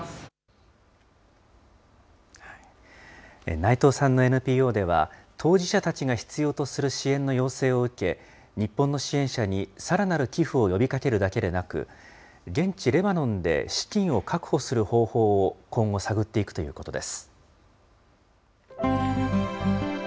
内藤さんのＮＰＯでは、当事者たちが必要とする支援の要請を受け、日本の支援者にさらなる寄付を呼びかけるだけでなく、現地レバノンで資金を確保する方法を、今後、探っていくということです。